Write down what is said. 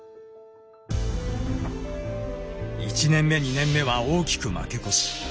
１年目２年目は大きく負け越し。